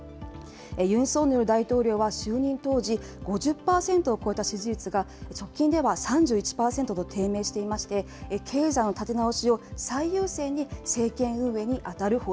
ユン・ソンニョル大統領は、就任当時、５０％を超えた支持率が直近では３１％と低迷していまして、経済の立て直しを最優先に政権運